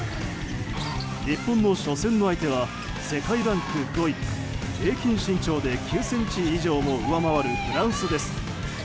日本の初戦の相手は世界ランク５位平均身長で９ｃｍ以上も上回るフランスです。